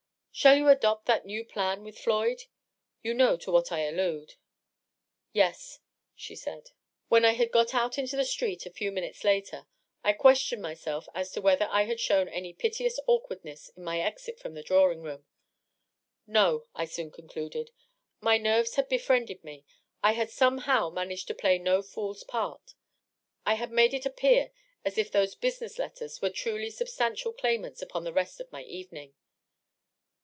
.• Shall you adopt that new plan with Floyd ?.. you know to what I allude." "Yes," she said. DOUGLAS DUANE. 589 When I had got out into the street, a few minutes later, I questioned myself as to whether I had shown any piteous awkwardness in my exit from the drawing room. No, I soon concluded. My nerve had be friended me ; I had somehow managed to play no fooFs part I had made it appear as if those "business letters'' were truly substantial claimants upon the rest of my evening.